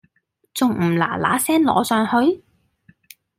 咁重唔嗱嗱聲攞上去？